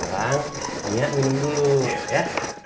bang nia minum dulu ya